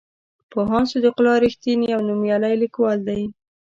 پوهاند صدیق الله رښتین یو نومیالی لیکوال دی.